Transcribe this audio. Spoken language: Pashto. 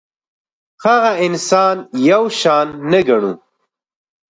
هغه انسان یو شان نه ګڼو.